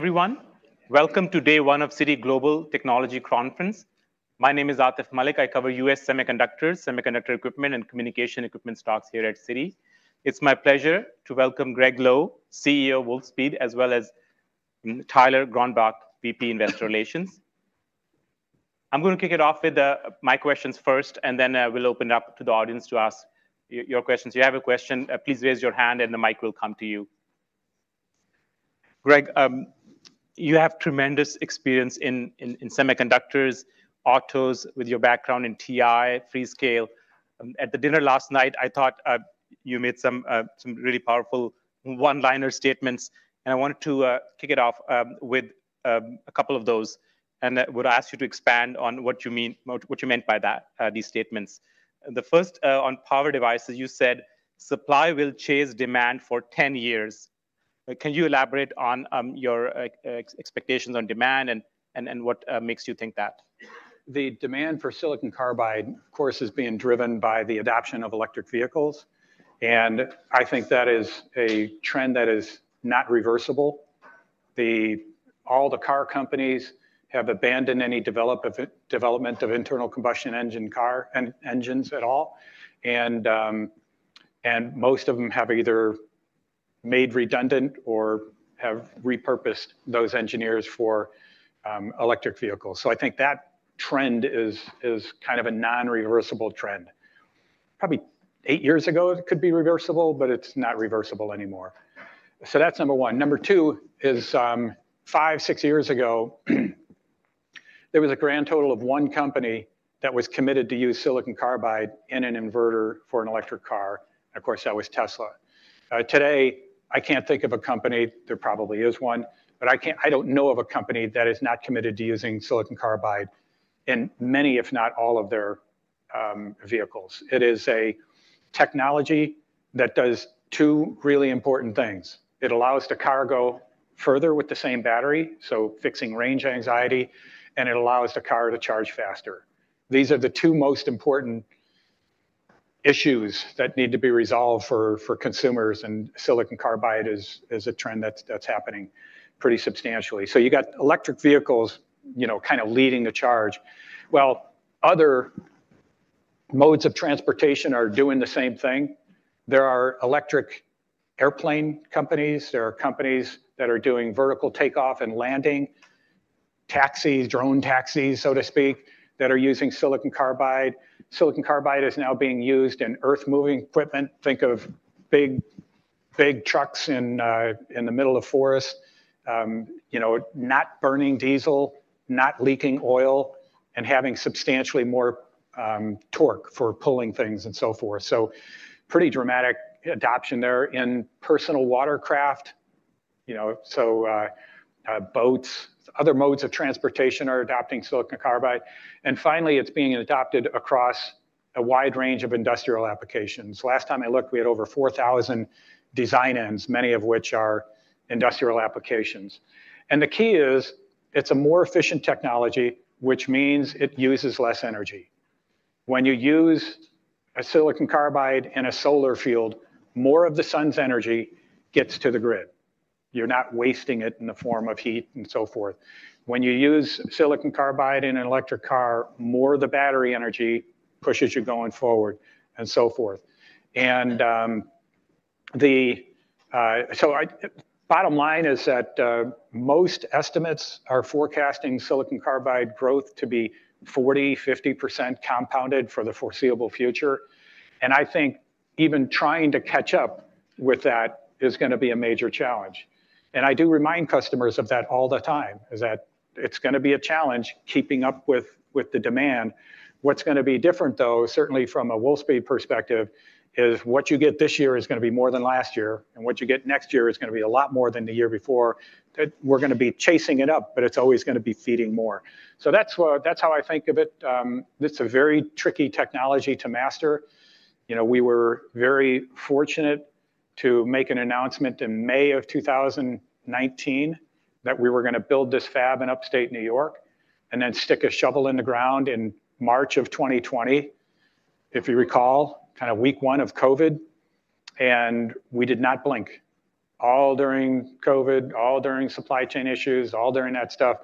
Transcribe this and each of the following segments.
Everyone, welcome to day one of Citi Global Technology Conference. My name is Atif Malik. I cover U.S. semiconductors, semiconductor equipment, and communication equipment stocks here at Citi. It's my pleasure to welcome Gregg Lowe, CEO of Wolfspeed, as well as Tyler Gronbach, VP, Investor Relations. I'm gonna kick it off with my questions first, and then we'll open it up to the audience to ask your questions. If you have a question, please raise your hand, and the mic will come to you. Gregg, you have tremendous experience in semiconductors, autos, with your background in TI, Freescale. At the dinner last night, I thought you made some really powerful one-liner statements, and I wanted to kick it off with a couple of those. Would ask you to expand on what you meant by that, these statements. The first, on power devices, you said, "Supply will chase demand for 10 years." Can you elaborate on your expectations on demand, and what makes you think that? The demand for silicon carbide, of course, is being driven by the adoption of electric vehicles, and I think that is a trend that is not reversible. All the car companies have abandoned any development of internal combustion engine car and engines at all. Most of them have either made redundant or have repurposed those engineers for electric vehicles. I think that trend is kind of a non-reversible trend. Probably eight years ago, it could be reversible, but it's not reversible anymore. That's number one. Number two is, five, six years ago, there was a grand total of one company that was committed to use silicon carbide in an inverter for an electric car, and of course, that was Tesla. Today, I can't think of a company, there probably is one, but I don't know of a company that is not committed to using silicon carbide in many, if not all, of their vehicles. It is a technology that does two really important things. It allows the car go further with the same battery, so fixing range anxiety, and it allows the car to charge faster. These are the two most important issues that need to be resolved for consumers, and silicon carbide is a trend that's happening pretty substantially. So you got electric vehicles, you know, kind of leading the charge, while other modes of transportation are doing the same thing. There are electric airplane companies. There are companies that are doing vertical take-off and landing, taxis, drone taxis, so to speak, that are using silicon carbide. Silicon carbide is now being used in earth-moving equipment. Think of big, big trucks in the middle of forest, you know, not burning diesel, not leaking oil, and having substantially more torque for pulling things, and so forth. So pretty dramatic adoption there in personal watercraft, you know, so, boats, other modes of transportation are adopting silicon carbide. And finally, it's being adopted across a wide range of industrial applications. Last time I looked, we had over 4,000 design-ins, many of which are industrial applications. And the key is, it's a more efficient technology, which means it uses less energy. When you use a silicon carbide in a solar field, more of the sun's energy gets to the grid. You're not wasting it in the form of heat, and so forth. When you use silicon carbide in an electric car, more of the battery energy pushes you going forward, and so forth. And bottom line is that most estimates are forecasting silicon carbide growth to be 40%-50% compounded for the foreseeable future, and I think even trying to catch up with that is gonna be a major challenge. And I do remind customers of that all the time, is that it's gonna be a challenge keeping up with, with the demand. What's gonna be different, though, certainly from a Wolfspeed perspective, is what you get this year is gonna be more than last year, and what you get next year is gonna be a lot more than the year before. That we're gonna be chasing it up, but it's always gonna be feeding more. So that's what, that's how I think of it. It's a very tricky technology to master. You know, we were very fortunate to make an announcement in May of 2019, that we were gonna build this fab in Upstate New York, and then stick a shovel in the ground in March of 2020. If you recall, kind of week one of COVID, and we did not blink. All during COVID, all during supply chain issues, all during that stuff,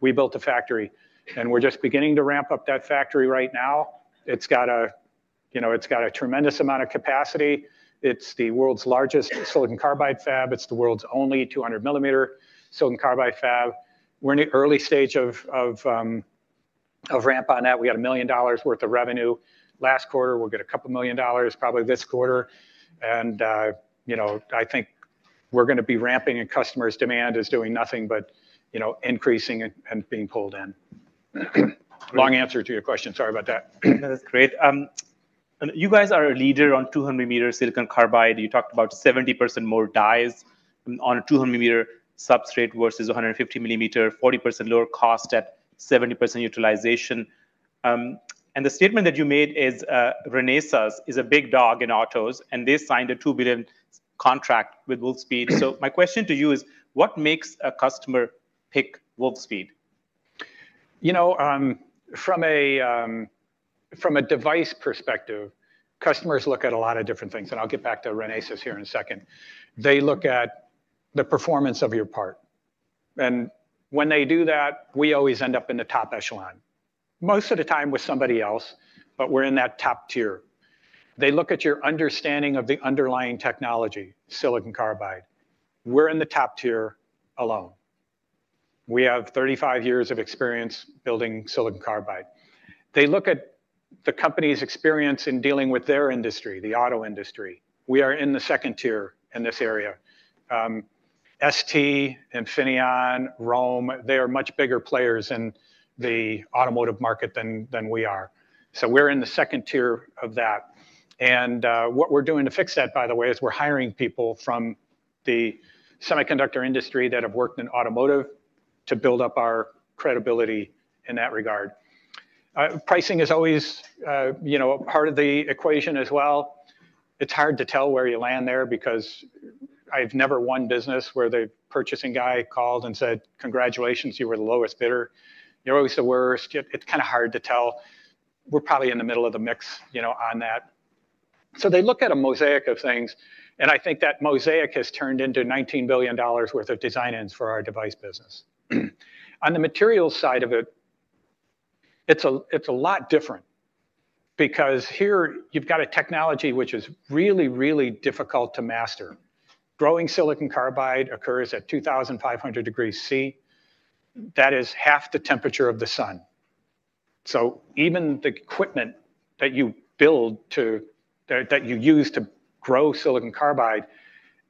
we built a factory, and we're just beginning to ramp up that factory right now. It's got a, you know, it's got a tremendous amount of capacity. It's the world's largest silicon carbide fab. It's the world's only 200 mm silicon carbide fab. We're in the early stage of ramp on that. We had $1 million worth of revenue last quarter. We'll get $2 million probably this quarter. And, you know, I think we're gonna be ramping, and customers' demand is doing nothing but, you know, increasing and, and being pulled in. Long answer to your question. Sorry about that. No, that's great. And you guys are a leader on 200 mm silicon carbide. You talked about 70% more dies on a 200 mm substrate versus a 150 mm, 40% lower cost at 70% utilization. And the statement that you made is, Renesas is a big dog in autos, and they signed a $2 billion contract with Wolfspeed. So my question to you is, what makes a customer pick Wolfspeed?... You know, from a device perspective, customers look at a lot of different things, and I'll get back to Renesas here in a second. They look at the performance of your part. And when they do that, we always end up in the top echelon. Most of the time with somebody else, but we're in that top tier. They look at your understanding of the underlying technology, silicon carbide. We're in the top tier alone. We have 35 years of experience building silicon carbide. They look at the company's experience in dealing with their industry, the auto industry. We are in the second tier in this area. ST, Infineon, ROHM, they are much bigger players in the automotive market than we are. So we're in the second tier of that. What we're doing to fix that, by the way, is we're hiring people from the semiconductor industry that have worked in automotive to build up our credibility in that regard. Pricing is always, you know, part of the equation as well. It's hard to tell where you land there because I've never won business where the purchasing guy called and said, "Congratulations, you were the lowest bidder." You're always the worst. It's kinda hard to tell. We're probably in the middle of the mix, you know, on that. So they look at a mosaic of things, and I think that mosaic has turned into $19 billion worth of design-ins for our device business. On the materials side of it, it's a lot different because here you've got a technology which is really, really difficult to master. Growing silicon carbide occurs at 2,500 degrees Celsius. That is half the temperature of the sun. So even the equipment that you build to—that you use to grow silicon carbide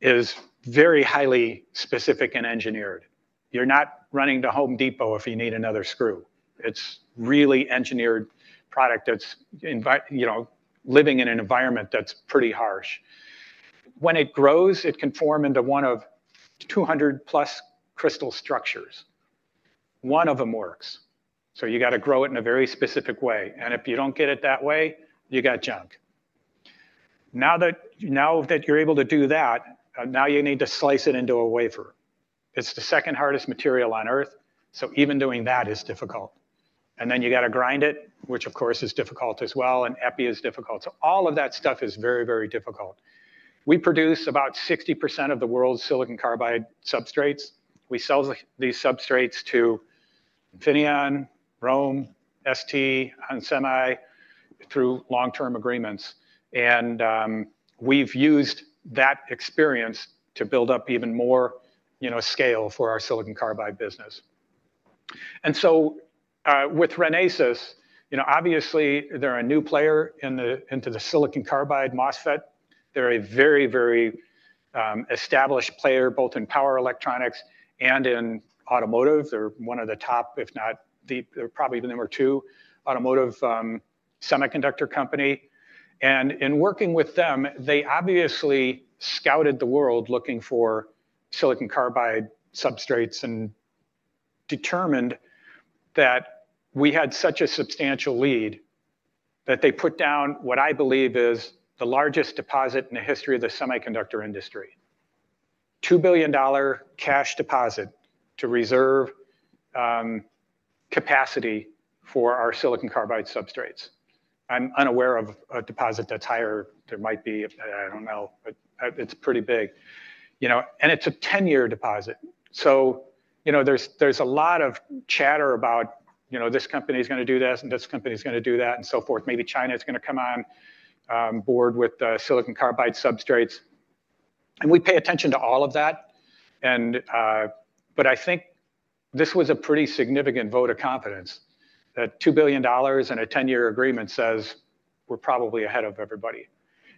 is very highly specific and engineered. You're not running to Home Depot if you need another screw. It's really engineered product that's, you know, living in an environment that's pretty harsh. When it grows, it can form into one of 200+ crystal structures. One of them works. So you gotta grow it in a very specific way, and if you don't get it that way, you got junk. Now that, now that you're able to do that, now you need to slice it into a wafer. It's the second hardest material on Earth, so even doing that is difficult. And then you gotta grind it, which of course is difficult as well, and Epi is difficult. So all of that stuff is very, very difficult. We produce about 60% of the world's silicon carbide substrates. We sell these substrates to Infineon, ROHM, ST, Onsemi, through long-term agreements. And, we've used that experience to build up even more, you know, scale for our silicon carbide business. And so, with Renesas, you know, obviously, they're a new player into the silicon carbide MOSFET. They're a very, very, established player, both in power electronics and in automotive. They're one of the top, if not the, probably the number two automotive, semiconductor company. In working with them, they obviously scouted the world looking for silicon carbide substrates and determined that we had such a substantial lead, that they put down what I believe is the largest deposit in the history of the semiconductor industry. $2 billion cash deposit to reserve capacity for our silicon carbide substrates. I'm unaware of a deposit that's higher. There might be, I don't know, but, it's pretty big. You know, and it's a 10-year deposit. So, you know, there's a lot of chatter about, you know, this company's gonna do this, and this company's gonna do that, and so forth. Maybe China is gonna come on board with silicon carbide substrates. And we pay attention to all of that, and. But I think this was a pretty significant vote of confidence. That $2 billion and a ten-year agreement says we're probably ahead of everybody.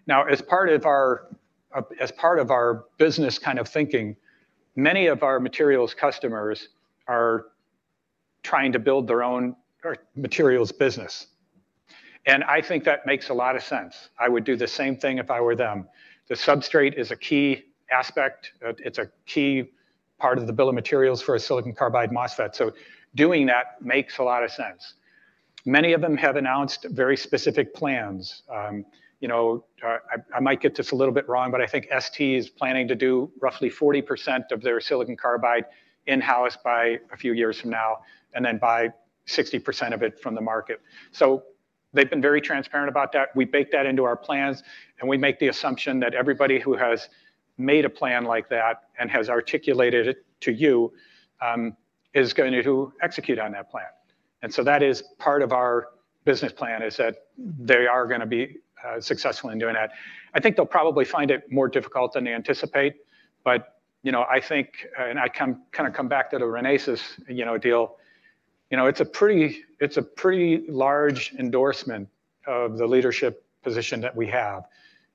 Now, as part of our, as part of our business kind of thinking, many of our materials customers are trying to build their own materials business, and I think that makes a lot of sense. I would do the same thing if I were them. The substrate is a key aspect. It's a key part of the bill of materials for a silicon carbide MOSFET, so doing that makes a lot of sense. Many of them have announced very specific plans. You know, I might get this a little bit wrong, but I think ST is planning to do roughly 40% of their silicon carbide in-house by a few years from now, and then buy 60% of it from the market. So they've been very transparent about that. We bake that into our plans, and we make the assumption that everybody who has made a plan like that and has articulated it to you is going to execute on that plan. And so that is part of our business plan, is that they are gonna be successful in doing that. I think they'll probably find it more difficult than they anticipate, but, you know, I think and I kinda come back to the Renesas, you know, deal. You know, it's a pretty, it's a pretty large endorsement of the leadership position that we have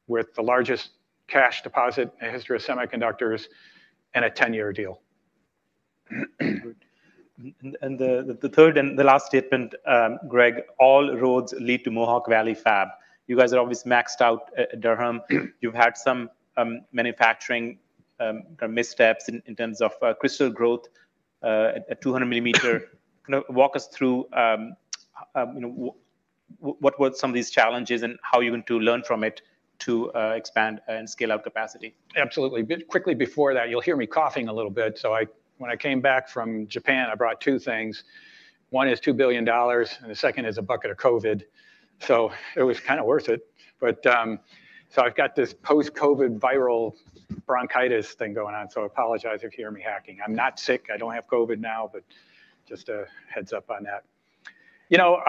with the largest cash deposit in the history of semiconductors and a 10-year deal. The third and the last statement, Gregg, all roads lead to Mohawk Valley Fab. You guys are obviously maxed out at Durham. You've had some manufacturing kind of missteps in terms of crystal growth at 200mm. Kind of walk us through, you know, what were some of these challenges and how are you going to learn from it to expand and scale out capacity? Absolutely. But quickly before that, you'll hear me coughing a little bit. So when I came back from Japan, I brought two things. One is $2 billion, and the second is a bucket of COVID. So it was kind of worth it. But, so I've got this post-COVID viral bronchitis thing going on, so I apologize if you hear me hacking. I'm not sick, I don't have COVID now, but just a heads-up on that. You know,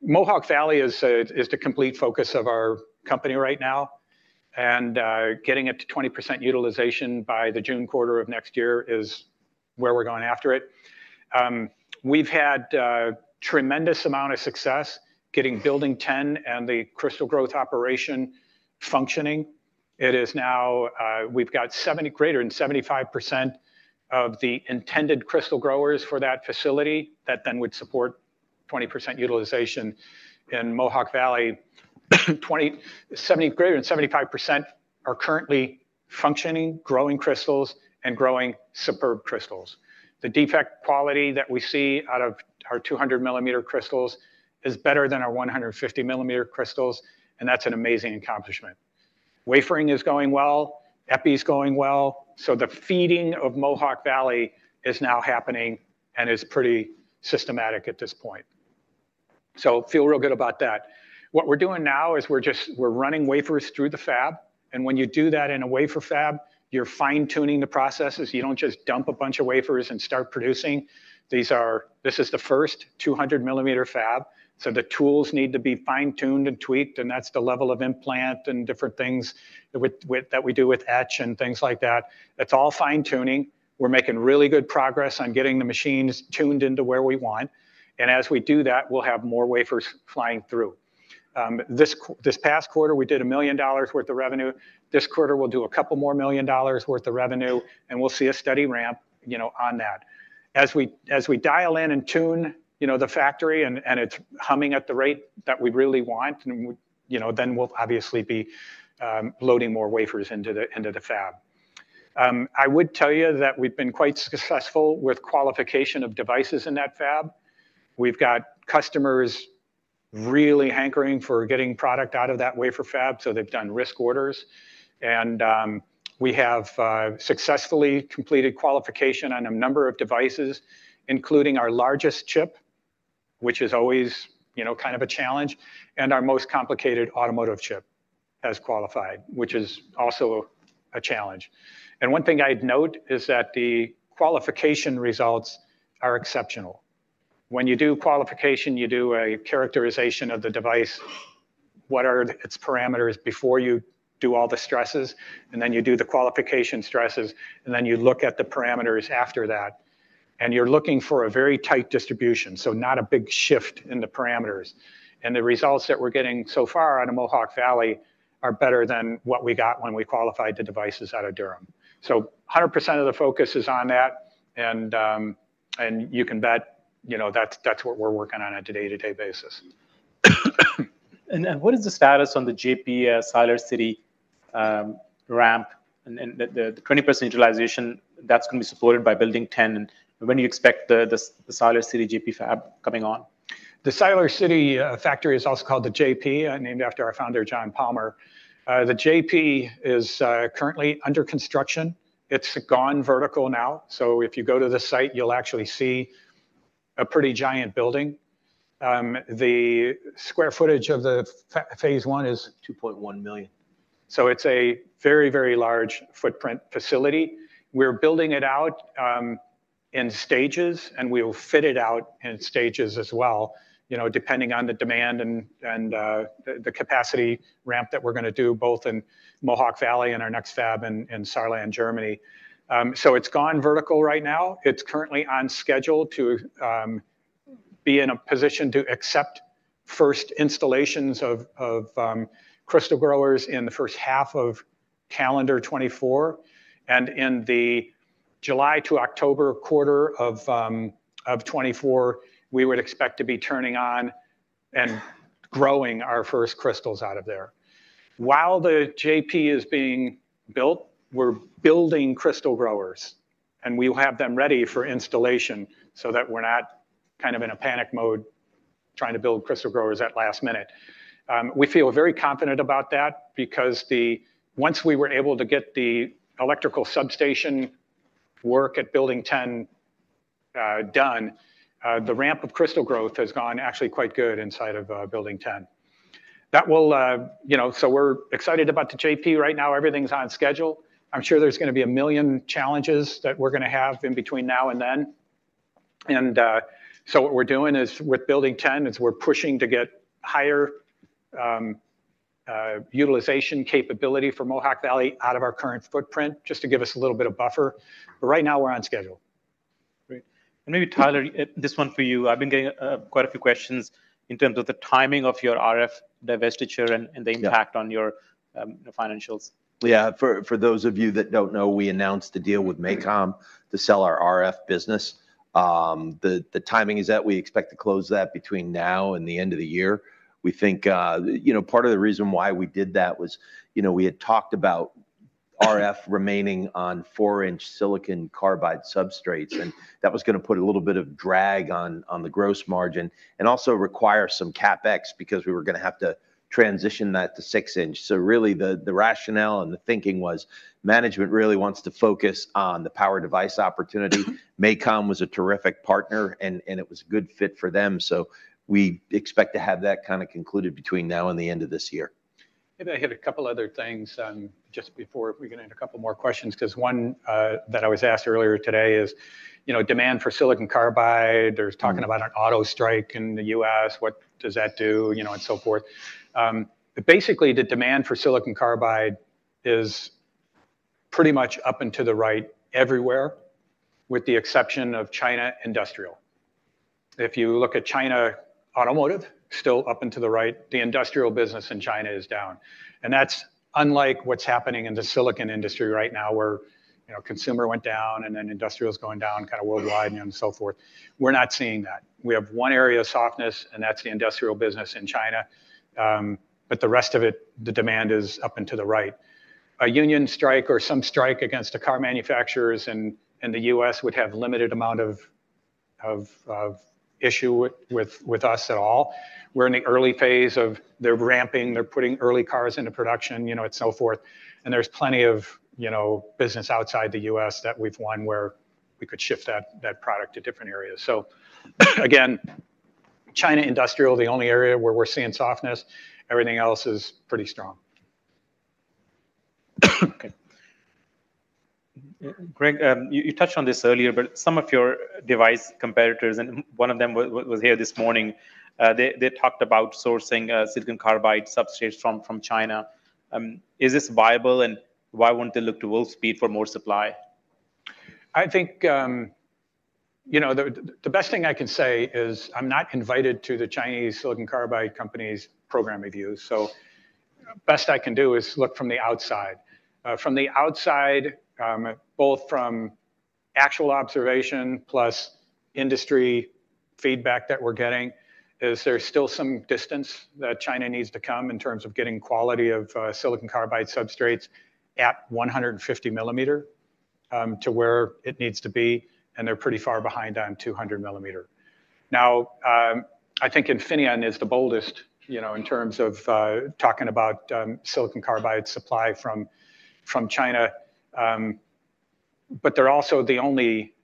Mohawk Valley is the complete focus of our company right now, and getting it to 20% utilization by the June quarter of next year is where we're going after it. We've had tremendous amount of success getting Building 10 and the crystal growth operation functioning. It is now, we've got greater than 75% of the intended crystal growers for that facility, that then would support 20% utilization in Mohawk Valley. Twenty, greater than 75% are currently functioning, growing crystals, and growing superb crystals. The defect quality that we see out of our 200 mm crystals is better than our 150 mm crystals, and that's an amazing accomplishment. Wafering is going well, epi is going well, so the feeding of Mohawk Valley is now happening and is pretty systematic at this point. So feel real good about that. What we're doing now is we're running wafers through the fab, and when you do that in a wafer fab, you're fine-tuning the processes. You don't just dump a bunch of wafers and start producing. This is the first 200mm fab, so the tools need to be fine-tuned and tweaked, and that's the level of implant and different things with that we do with etch and things like that. It's all fine-tuning. We're making really good progress on getting the machines tuned into where we want, and as we do that, we'll have more wafers flying through. This past quarter, we did $1 million worth of revenue. This quarter, we'll do a couple more $1 million worth of revenue, and we'll see a steady ramp, you know, on that. As we dial in and tune, you know, the factory and it's humming at the rate that we really want, and, you know, then we'll obviously be loading more wafers into the fab. I would tell you that we've been quite successful with qualification of devices in that fab. We've got customers really hankering for getting product out of that wafer fab, so they've done risk orders, and we have successfully completed qualification on a number of devices, including our largest CHIP, which is always, you know, kind of a challenge, and our most complicated automotive CHIP has qualified, which is also a challenge. One thing I'd note is that the qualification results are exceptional. When you do qualification, you do a characterization of the device, what are its parameters before you do all the stresses, and then you do the qualification stresses, and then you look at the parameters after that. You're looking for a very tight distribution, so not a big shift in the parameters. The results that we're getting so far out of Mohawk Valley are better than what we got when we qualified the devices out of Durham. So 100% of the focus is on that, and you can bet, you know, that's what we're working on a day-to-day basis. What is the status on the JP, Siler City, ramp, and the 20% utilization that's going to be supported by Building 10, and when do you expect the Siler City JP fab coming on? The Siler City factory is also called the JP, named after our founder, John Palmer. The JP is currently under construction. It's gone vertical now, so if you go to the site, you'll actually see a pretty giant building. The square footage of Phase One is 2.1 million sq ft. So it's a very, very large footprint facility. We're building it out in stages, and we will fit it out in stages as well, you know, depending on the demand and the capacity ramp that we're gonna do, both in Mohawk Valley and our next fab in Saarland, Germany. So it's gone vertical right now. It's currently on schedule to be in a position to accept first installations of crystal growers in the first half of calendar 2024, and in the July to October quarter of 2024, we would expect to be turning on and growing our first crystals out of there. While the JP is being built, we're building crystal growers, and we will have them ready for installation so that we're not kind of in a panic mode trying to build crystal growers at last minute. We feel very confident about that because once we were able to get the electrical substation work at Building 10 done, the ramp of crystal growth has gone actually quite good inside of Building 10. That will, you know... So we're excited about the JP right now. Everything's on schedule. I'm sure there's gonna be a million challenges that we're gonna have in between now and then. And, so what we're doing is, with Building Ten, is we're pushing to get higher, utilization capability for Mohawk Valley out of our current footprint, just to give us a little bit of buffer. But right now, we're on schedule. Great. And maybe, Tyler, this one for you. I've been getting, quite a few questions in terms of the timing of your RF divestiture and- Yeah... and the impact on your, financials. Yeah, for those of you that don't know, we announced a deal with MACOM to sell our RF business. The timing is that we expect to close that between now and the end of the year. We think, you know, part of the reason why we did that was, you know, we had talked about RF remaining on four inch silicon carbide substrates, and that was going to put a little bit of drag on the gross margin, and also require some CapEx, because we were going to have to transition that to six inch. So really, the rationale and the thinking was management really wants to focus on the power device opportunity. MACOM was a terrific partner and it was a good fit for them, so we expect to have that kind of concluded between now and the end of this year. And I hit a couple other things, just before we get into a couple more questions, 'cause one, that I was asked earlier today is, you know, demand for silicon carbide, there's talking about an auto strike in the U.S., what does that do, you know, and so forth. But basically, the demand for silicon carbide is pretty much up and to the right everywhere, with the exception of China Industrial. If you look at China Automotive, still up and to the right, the industrial business in China is down. And that's unlike what's happening in the silicon industry right now, where, you know, consumer went down, and then industrial is going down kind of worldwide and so forth. We're not seeing that. We have one area of softness, and that's the industrial business in China, but the rest of it, the demand is up and to the right. A union strike or some strike against the car manufacturers in the U.S. would have limited amount of issue with us at all. We're in the early phase of they're ramping, they're putting early cars into production, you know, and so forth, and there's plenty of, you know, business outside the U.S. that we've won, where we could shift that product to different areas. So, again, China industrial, the only area where we're seeing softness, everything else is pretty strong. Okay. Gregg, you touched on this earlier, but some of your device competitors, and one of them was here this morning, they talked about sourcing silicon carbide substrates from China. Is this viable, and why wouldn't they look to Wolfspeed for more supply? I think, you know, the best thing I can say is I'm not invited to the Chinese silicon carbide company's program reviews, so best I can do is look from the outside. From the outside, both from actual observation plus industry feedback that we're getting, is there's still some distance that China needs to come in terms of getting quality of silicon carbide substrates at 150 mm to where it needs to be, and they're pretty far behind on 200 mm. I think Infineon is the boldest, you know, in terms of talking about silicon carbide supply from China. But they're also the only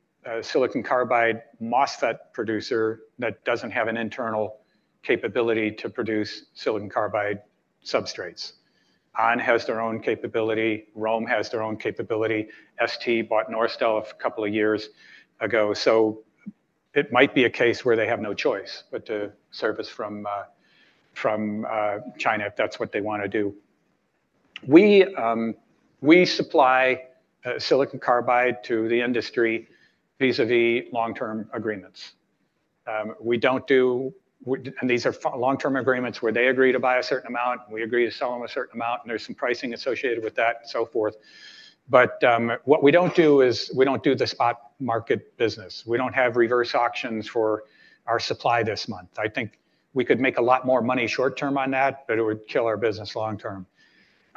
silicon carbide MOSFET producer that doesn't have an internal capability to produce silicon carbide substrates. ON has their own capability, ROHM has their own capability. ST bought Norstel a couple of years ago. So it might be a case where they have no choice but to service from, from, China, if that's what they want to do. We, we supply silicon carbide to the industry vis-à-vis long-term agreements. We don't do. And these are long-term agreements where they agree to buy a certain amount, and we agree to sell them a certain amount, and there's some pricing associated with that, and so forth. But, what we don't do is we don't do the spot market business. We don't have reverse auctions for our supply this month. I think we could make a lot more money short term on that, but it would kill our business long term.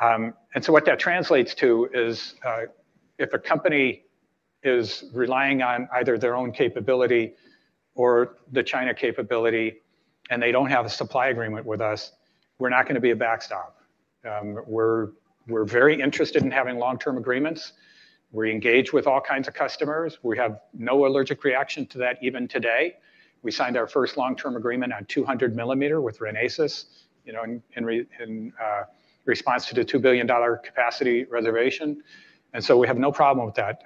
And so what that translates to is, if a company is relying on either their own capability or the China capability, and they don't have a supply agreement with us, we're not going to be a backstop. We're very interested in having long-term agreements. We engage with all kinds of customers. We have no allergic reaction to that, even today. We signed our first long-term agreement on 200 mm with Renesas, you know, in response to the $2 billion capacity reservation, and so we have no problem with that.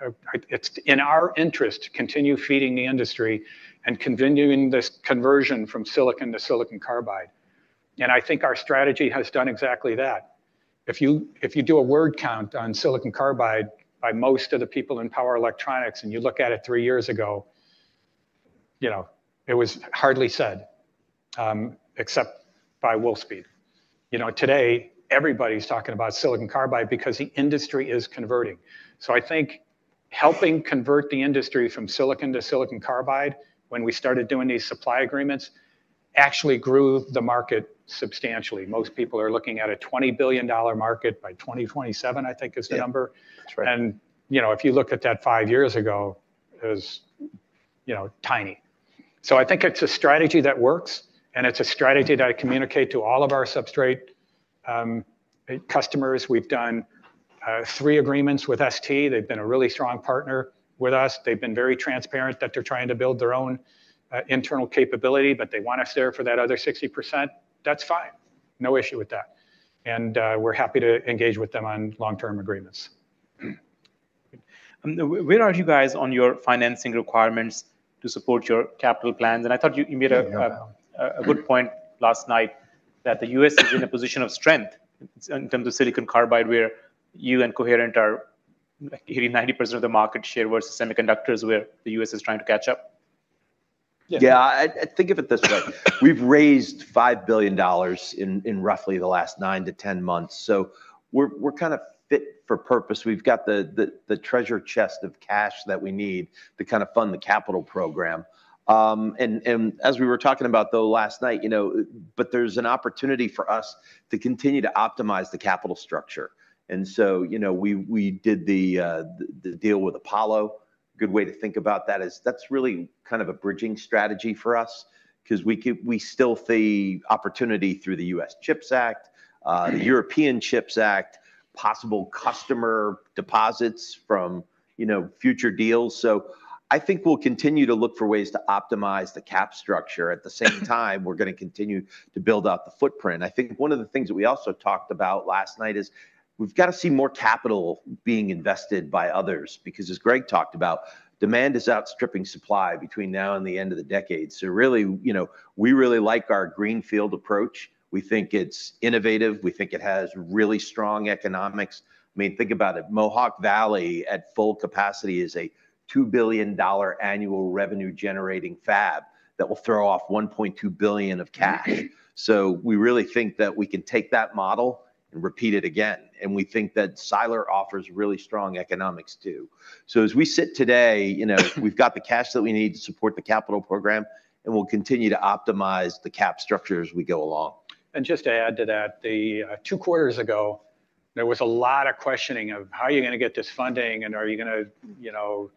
It's in our interest to continue feeding the industry and continuing this conversion from silicon to silicon carbide. And I think our strategy has done exactly that. If you do a word count on silicon carbide by most of the people in power electronics, and you look at it three years ago, you know, it was hardly said, except by Wolfspeed. You know, today, everybody's talking about silicon carbide because the industry is converting. So I think helping convert the industry from silicon to silicon carbide when we started doing these supply agreements, actually grew the market substantially. Most people are looking at a $20 billion market by 2027, I think is the number. Yeah, that's right. You know, if you look at that five years ago, it was, you know, tiny. So I think it's a strategy that works, and it's a strategy that I communicate to all of our substrate customers. We've done three agreements with ST. They've been a really strong partner with us. They've been very transparent that they're trying to build their own internal capability, but they want us there for that other 60%. That's fine. No issue with that. We're happy to engage with them on long-term agreements. Where are you guys on your financing requirements to support your capital plans? And I thought you made a good point last night, that the U.S. is in a position of strength in terms of silicon carbide, where you and Coherent are hitting 90% of the market share, versus semiconductors, where the U.S. is trying to catch up? Yeah, I think of it this way: We've raised $5 billion in roughly the last nine-10 months, so we're kind of fit for purpose. We've got the treasure chest of cash that we need to kind of fund the capital program. And as we were talking about, though, last night, you know, but there's an opportunity for us to continue to optimize the capital structure. And so, you know, we did the deal with Apollo. Good way to think about that is that's really kind of a bridging strategy for us, 'cause we still see opportunity through the U.S. CHIPS Act, European CHIPS Act, possible customer deposits from, you know, future deals. So I think we'll continue to look for ways to optimize the cap structure. At the same time, we're gonna continue to build out the footprint. I think one of the things that we also talked about last night is we've got to see more capital being invested by others, because as Gregg talked about, demand is outstripping supply between now and the end of the decade. So really, you know, we really like our greenfield approach. We think it's innovative. We think it has really strong economics. I mean, think about it. Mohawk Valley, at full capacity, is a $2 billion annual revenue-generating fab that will throw off $1.2 billion of cash. So we really think that we can take that model and repeat it again, and we think that Siler offers really strong economics, too. As we sit today, you know, we've got the cash that we need to support the capital program, and we'll continue to optimize the cap structure as we go along. And just to add to that, two quarters ago, there was a lot of questioning of: How are you gonna get this funding? And are you gonna, you know,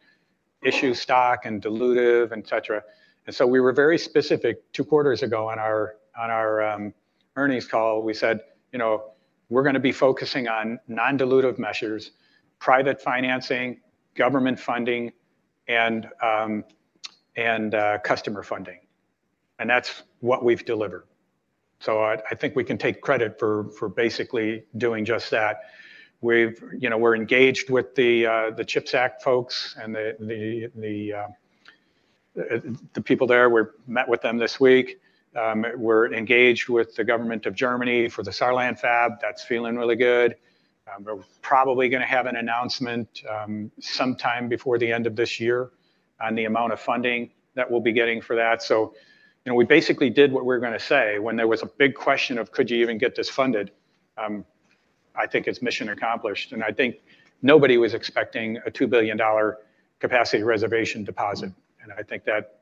issue stock and dilutive, et cetera? And so we were very specific two quarters ago on our earnings call. We said, "You know, we're gonna be focusing on non-dilutive measures, private financing, government funding, and customer funding." And that's what we've delivered. So I think we can take credit for basically doing just that. We've, you know, we're engaged with the CHIPS Act folks and the people there. We met with them this week. We're engaged with the government of Germany for the Saarland fab. That's feeling really good. We're probably gonna have an announcement sometime before the end of this year on the amount of funding that we'll be getting for that. So, you know, we basically did what we were gonna say when there was a big question of: Could you even get this funded? I think it's mission accomplished, and I think nobody was expecting a $2 billion capacity reservation deposit. I think that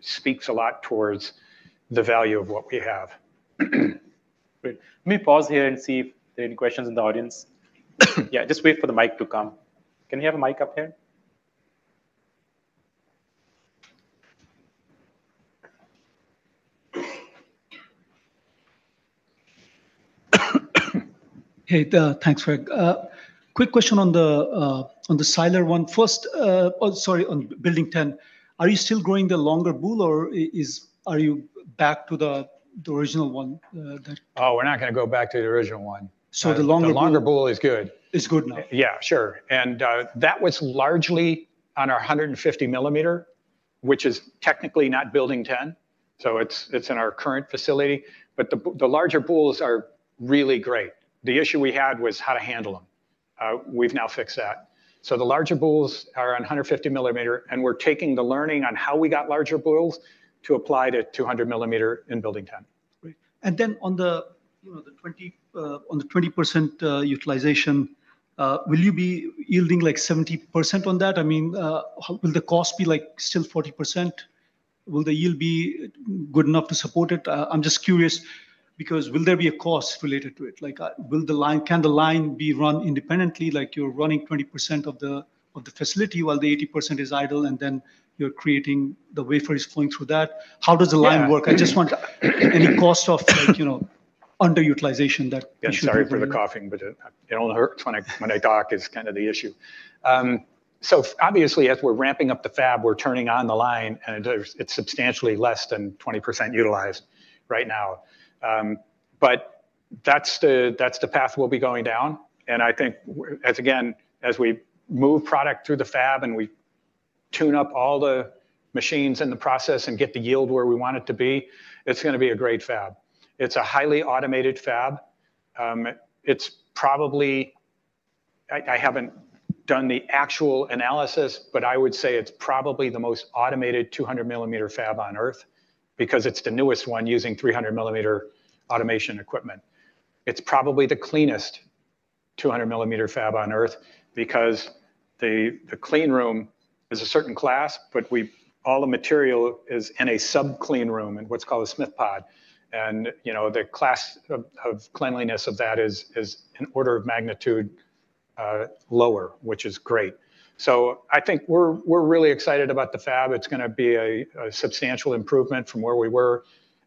speaks a lot towards the value of what we have. Great. Let me pause here and see if there are any questions in the audience. Yeah, just wait for the mic to come. Can we have a mic up here? Hey, thanks, Gregg. Quick question on the Siler one. First, oh, sorry, on Building 10. Are you still growing the longer boule or are you back to the original one, that- Oh, we're not gonna go back to the original one. So the longer- The longer boule is good. It's good now. Yeah, sure. And that was largely on our 150 mm, which is technically not Building Ten, so it's in our current facility. But the larger boules are really great. The issue we had was how to handle them. We've now fixed that. So the larger boules are on 150 mm, and we're taking the learning on how we got larger boules to apply to 200 mm in Building Ten. Great. And then on the, you know, the 20% utilization, will you be yielding, like, 70% on that? I mean, will the cost be, like, still 40%? Will the yield be good enough to support it? I'm just curious, because will there be a cost related to it? Like, will the line, can the line be run independently, like you're running 20% of the facility while the 80% is idle, and then you're creating, the wafer is flowing through that? How does the line work? Yeah. I just want any cost of, like, you know, underutilization that you should- Sorry for the coughing, but it only hurts when I talk, is kind of the issue. So obviously, as we're ramping up the fab, we're turning on the line, and it's substantially less than 20% utilized right now. But that's the path we'll be going down, and I think, as again, as we move product through the fab, and we tune up all the machines in the process and get the yield where we want it to be, it's gonna be a great fab. It's a highly automated fab. It's probably... I haven't done the actual analysis, but I would say it's probably the most automated 200mm fab on Earth because it's the newest one using 300mm automation equipment. It's probably the cleanest 200 mm fab on Earth because the, the clean room is a certain class, but we've all the material is in a sub-clean room in what's called a SMIF pod. And, you know, the class of cleanliness of that is an order of magnitude lower, which is great. So I think we're really excited about the fab. It's gonna be a substantial improvement from where we were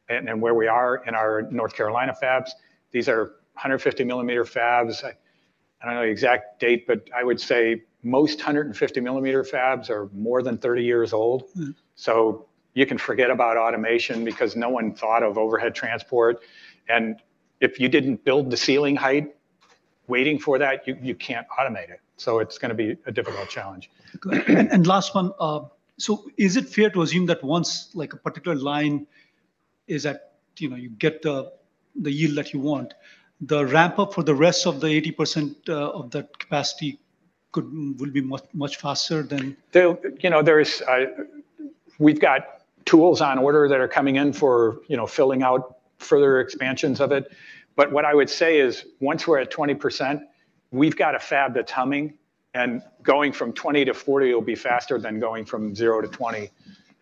and where we are in our North Carolina fabs. These are 150 mm fabs. I don't know the exact date, but I would say most 150 mm fabs are more than 30 years old. Mm-hmm. So you can forget about automation because no one thought of overhead transport, and if you didn't build the ceiling height waiting for that, you can't automate it. So it's gonna be a difficult challenge. Last one, so is it fair to assume that once, like, a particular line is at, you know, you get the yield that you want, the ramp-up for the rest of the 80% of that capacity could—will be much faster than— You know, there is. We've got tools on order that are coming in for, you know, filling out further expansions of it. But what I would say is, once we're at 20%, we've got a fab that's humming, and going from 20 to 40 will be faster than going from 0 to 20,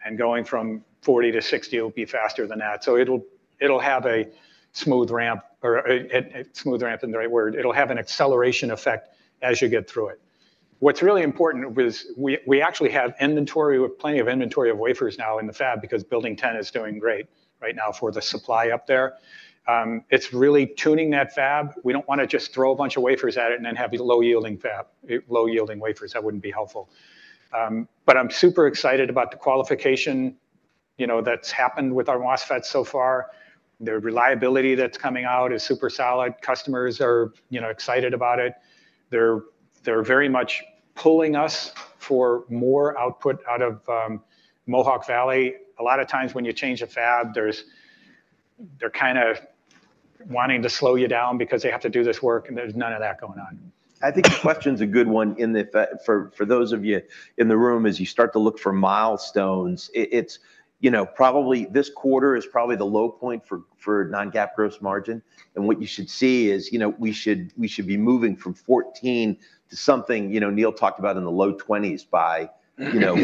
and going from 40 to 60 will be faster than that. So it'll, it'll have a smooth ramp or, smooth ramp isn't the right word. It'll have an acceleration effect as you get through it. What's really important was we, we actually have inventory, we have plenty of inventory of wafers now in the fab because Building Ten is doing great right now for the supply up there. It's really tuning that fab. We don't want to just throw a bunch of wafers at it and then have a low-yielding fab, low-yielding wafers. That wouldn't be helpful. But I'm super excited about the qualification, you know, that's happened with our MOSFET so far. The reliability that's coming out is super solid. Customers are, you know, excited about it. They're, they're very much pulling us for more output out of Mohawk Valley. A lot of times, when you change a fab, they're kind of wanting to slow you down because they have to do this work, and there's none of that going on. I think the question's a good one in the for, for those of you in the room, as you start to look for milestones, it's, you know, probably this quarter is probably the low point for, for non-GAAP gross margin. And what you should see is, you know, we should be moving from 14 to something, you know, Neil talked about in the low 20s by you know,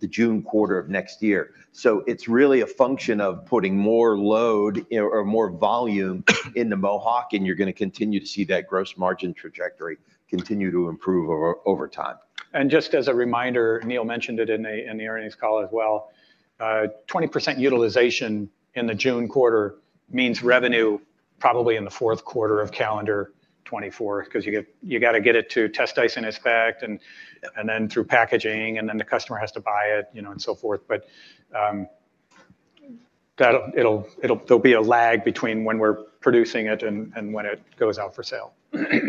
the June quarter of next year. So it's really a function of putting more load or, or more volume in the Mohawk, and you're going to continue to see that gross margin trajectory continue to improve over, over time. Just as a reminder, Neil mentioned it in the earnings call as well, 20% utilization in the June quarter means revenue probably in the fourth quarter of calendar 2024, 'cause you got to get it to test dice and inspect, and- Yeah... and then through packaging, and then the customer has to buy it, you know, and so forth. But, that'll there'll be a lag between when we're producing it and when it goes out for sale. Gotcha.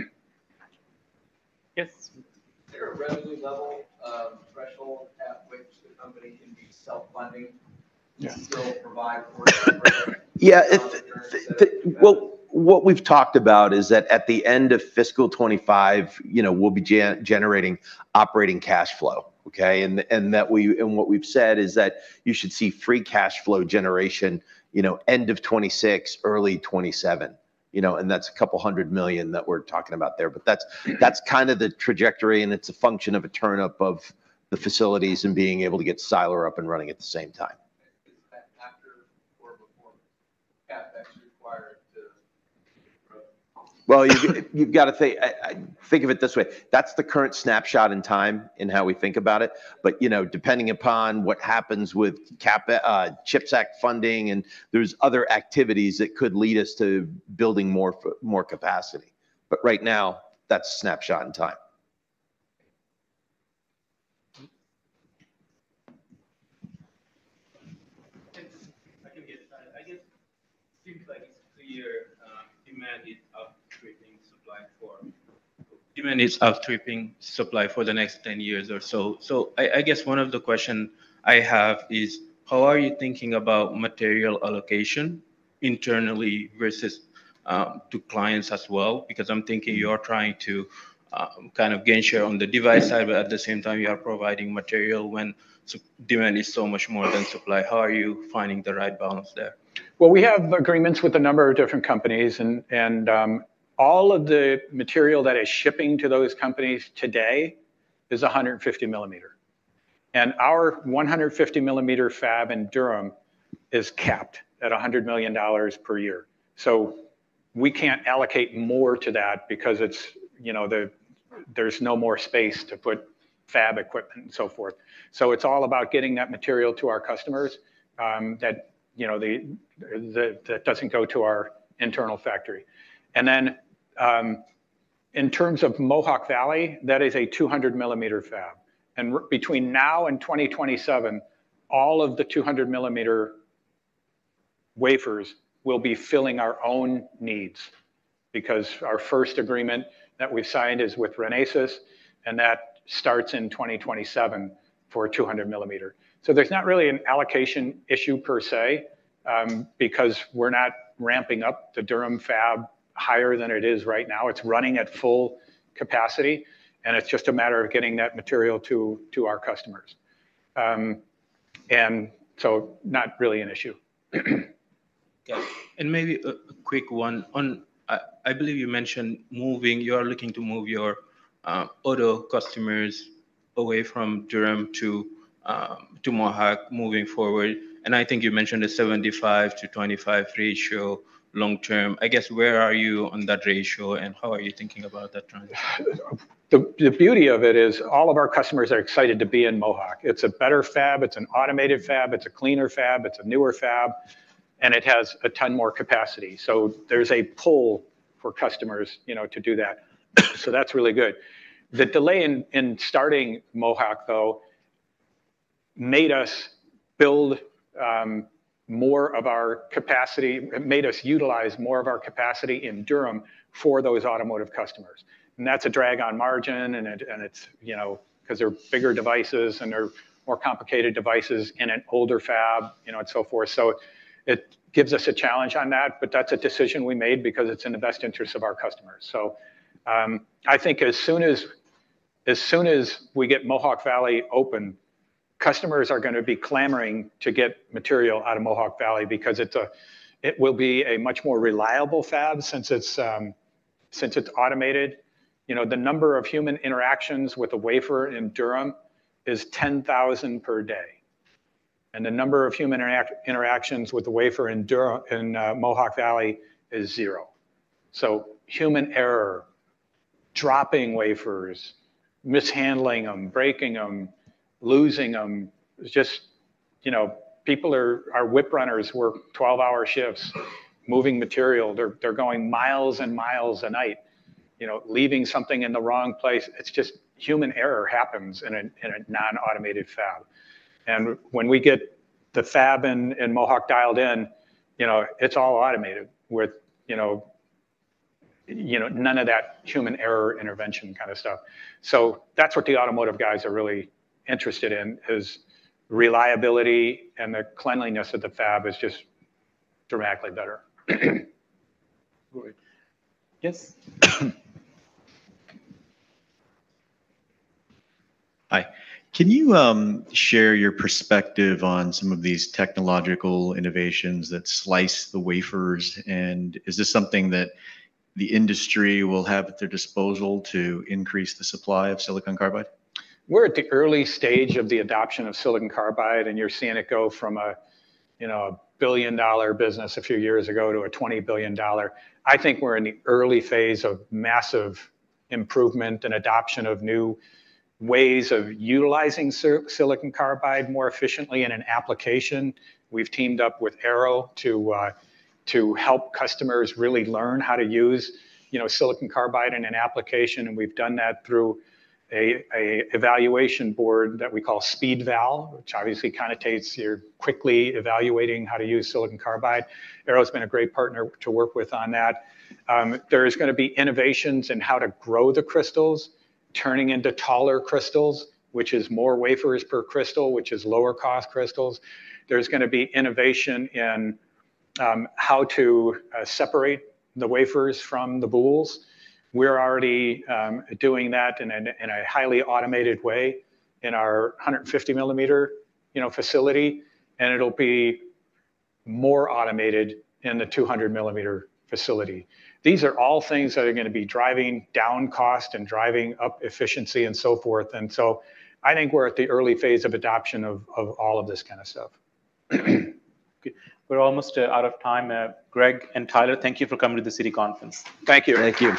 Yes. Is there a revenue level, threshold at which the company can be self-funding- Yeah - to still provide for- Yeah, if well, what we've talked about is that at the end of fiscal 2025, you know, we'll be generating operating cash flow, okay? And, and that and what we've said is that you should see free cash flow generation, you know, end of 2026, early 2027. You know, and that's a couple hundred million that we're talking about there. But that's kind of the trajectory, and it's a function of a turn-up of the facilities and being able to get Siler up and running at the same time. Well, you've got to think of it this way: That's the current snapshot in time in how we think about it, but, you know, depending upon what happens with CHIPS Act funding, and there's other activities that could lead us to building more capacity. But right now, that's a snapshot in time. I can guess. I guess, it seems like it's clear, demand is outstripping supply for demand is outstripping supply for the next 10 years or so. So I guess one of the question I have is: How are you thinking about material allocation internally versus, to clients as well? Because I'm thinking you're trying to, kind of gain share on the device side, but at the same time, you are providing material when demand is so much more than supply. How are you finding the right balance there? Well, we have agreements with a number of different companies, and all of the material that is shipping to those companies today is 150 mm. And our 150 mm fab in Durham is capped at $100 million per year. So we can't allocate more to that because it's, you know, there's no more space to put fab equipment and so forth. So it's all about getting that material to our customers, that, you know, that doesn't go to our internal factory. And then, in terms of Mohawk Valley, that is a 200 mm fab. And between now and 2027, all of the 200 mm wafers will be filling our own needs because our first agreement that we've signed is with Renesas, and that starts in 2027 for 200 mm. So there's not really an allocation issue per se, because we're not ramping up the Durham fab higher than it is right now. It's running at full capacity, and it's just a matter of getting that material to our customers. And so not really an issue. Yeah. And maybe a quick one. On, I believe you mentioned moving you are looking to move your auto customers away from Durham to Mohawk moving forward, and I think you mentioned a 75-25 ratio long term. I guess, where are you on that ratio, and how are you thinking about that transition? The beauty of it is all of our customers are excited to be in Mohawk. It's a better fab, it's an automated fab, it's a cleaner fab, it's a newer fab, and it has a ton more capacity. So there's a pull for customers, you know, to do that. So that's really good. The delay in starting Mohawk, though, made us build more of our capacity. It made us utilize more of our capacity in Durham for those automotive customers, and that's a drag on margin, and it's, you know, because they're bigger devices, and they're more complicated devices in an older fab, you know, and so forth. So it gives us a challenge on that, but that's a decision we made because it's in the best interest of our customers. I think as soon as, as soon as we get Mohawk Valley open, customers are going to be clamoring to get material out of Mohawk Valley because it will be a much more reliable fab since it's automated. You know, the number of human interactions with a wafer in Durham is 10,000 per day, and the number of human interactions with the wafer in Mohawk Valley is 0. So human error, dropping wafers, mishandling them, breaking them, losing them, is just, you know, people are wafer runners who work 12-hour shifts, moving material. They're going miles and miles a night, you know, leaving something in the wrong place. It's just human error happens in a non-automated fab. When we get the fab in Mohawk dialed in, you know, it's all automated with, you know, you know, none of that human error intervention kind of stuff. So that's what the automotive guys are really interested in, is reliability, and the cleanliness of the fab is just dramatically better. Go ahead. Yes? Hi. Can you share your perspective on some of these technological innovations that slice the wafers? And is this something that the industry will have at their disposal to increase the supply of silicon carbide? We're at the early stage of the adoption of silicon carbide, and you're seeing it go from a, you know, a $1 billion business a few years ago to a $20 billion. I think we're in the early phase of massive improvement and adoption of new ways of utilizing silicon carbide more efficiently in an application. We've teamed up with Arrow to help customers really learn how to use, you know, silicon carbide in an application, and we've done that through a evaluation board that we call SpeedVal, which obviously connotes you're quickly evaluating how to use silicon carbide. Arrow's been a great partner to work with on that. There is gonna be innovations in how to grow the crystals, turning into taller crystals, which is more wafers per crystal, which is lower cost crystals. There's gonna be innovation in how to separate the wafers from the boules. We're already doing that in a highly automated way in our 150 mm, you know, facility, and it'll be more automated in the 200 mm facility. These are all things that are gonna be driving down cost and driving up efficiency and so forth, and so I think we're at the early phase of adoption of all of this kind of stuff. Okay. We're almost out of time. Greg and Tyler, thank you for coming to the Citi Conference. Thank you. Thank you.